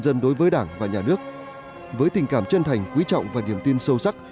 dân đối với đảng và nhà nước với tình cảm chân thành quý trọng và niềm tin sâu sắc